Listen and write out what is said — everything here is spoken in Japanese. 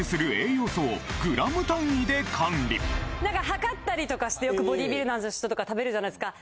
量ったりとかしてよくボディビルダーの人とか食べるじゃないですか。